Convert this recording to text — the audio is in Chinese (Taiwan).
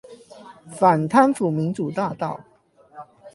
反貪腐民主大道